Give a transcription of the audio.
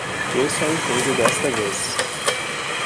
Eu só entendo desta vez.